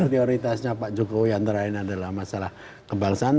prioritasnya pak jokowi antara lain adalah masalah kebangsaan